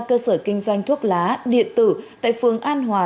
cơ sở kinh doanh thuốc lá điện tử tại phường an hòa